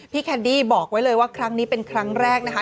แคนดี้บอกไว้เลยว่าครั้งนี้เป็นครั้งแรกนะคะ